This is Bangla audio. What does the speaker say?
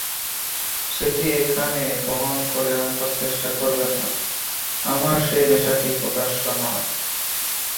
সেটি এখানে বহন করে আনবার চেষ্টা করবেন না, আমার সে নেশাটি প্রকাশ্য নয়!